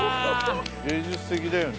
芸術的だよね。